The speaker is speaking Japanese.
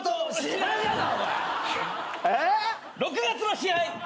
６月の試合。